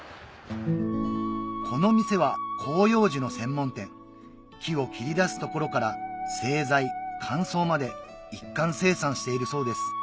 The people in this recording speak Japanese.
この店は広葉樹の専門店木を切り出すところから製材乾燥まで一貫生産しているそうです